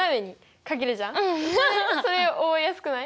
それ覚えやすくない？